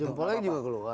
jempolnya juga keluar